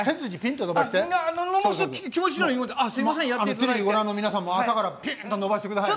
テレビご覧の皆さんも朝からピンと伸ばしてください。